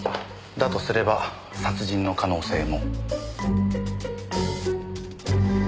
だとすれば殺人の可能性も。